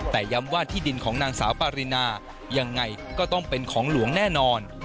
แต่ย้ำว่าที่ดินของนางสาวปารินายังไงก็ต้องเป็นของหลวงแน่นอน